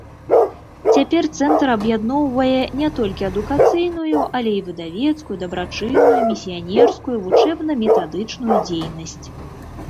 Цяпер цэнтр аб'ядноўвае не толькі адукацыйную, але і выдавецкую, дабрачынную, місіянерскую, вучэбна-метадычную дзейнасць.